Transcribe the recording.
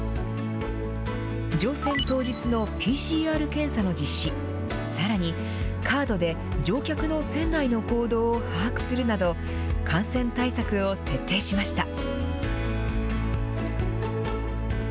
乗船当日のＰＣＲ検査の実施、さらにカードで乗客の船内の行動を把握するなど、感染対策を徹底しました。